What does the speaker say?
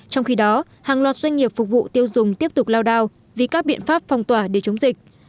trong khi đó hàng loạt doanh nghiệp phục vụ tiêu dùng tiếp tục lao đao vì các biện pháp phong tỏa để chống dịch